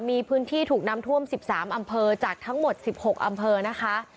มีพื้นที่ถูกน้ำท่วม๑๓อำเภอจากทั้งหมด๑๖อำเภอนะคะ